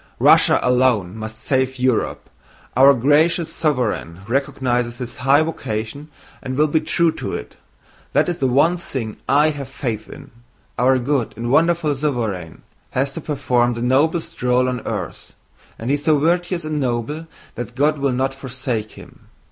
Russia alone must save Europe. Our gracious sovereign recognizes his high vocation and will be true to it. That is the one thing I have faith in! Our good and wonderful sovereign has to perform the noblest role on earth, and he is so virtuous and noble that God will not forsake him.